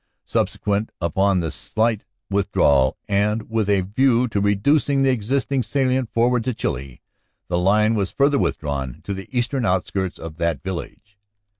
Subsequent upon this slight withdrawal, and with a view to reducing the existing salient forward to Chilly, the line was further withdrawn to the eastern outskirts of that village.